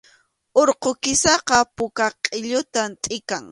Urqu kisaqa puka qʼilluta tʼikan